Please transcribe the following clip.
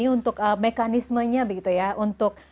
untuk mekanismenya begitu ya untuk